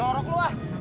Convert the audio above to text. jorok lu ah